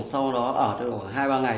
sau đó ở hai ba ngày